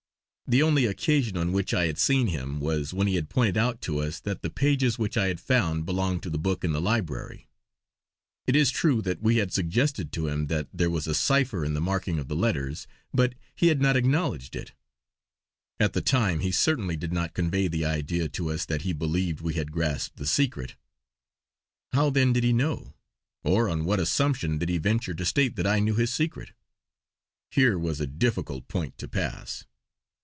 The only occasion on which I had seen him was when he had pointed out to us that the pages which I had found belonged to the book in the library. It is true that we had suggested to him that there was a cipher in the marking of the letters, but he had not acknowledged it. At the time he certainly did not convey the idea to us that he believed we had grasped the secret. How then did he know; or on what assumption did he venture to state that I knew his secret. Here was a difficult point to pass.